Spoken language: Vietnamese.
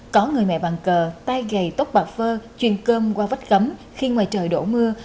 có người mẹ bàn cờ tay gầy tóc bạc phơ chuyên cơm qua vách cấm khi ngoài trời đổ mưa